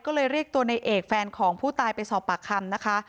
ก็เลยเรียกตัวในเอกแฟนของผู้ตายไปสอบปากคำนะคะ